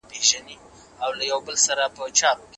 تاسې باید د ماشومانو لپاره مېوه داره ونې وکرئ.